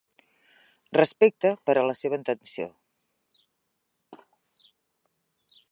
Respecte per la seva atenció.